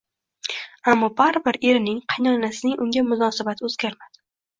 Ammo, baribir erining, qaynonasining unga munosabati o`zgarmadi